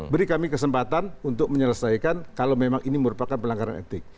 beri kami kesempatan untuk menyelesaikan kalau memang ini merupakan pelanggaran etik